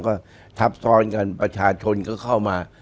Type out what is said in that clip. ก็ทับซ้อนกันประชาชนก็เข้ามา